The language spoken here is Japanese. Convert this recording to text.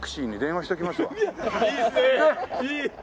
いい！